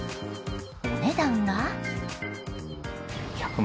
お値段は？